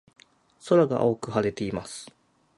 空が青く晴れています。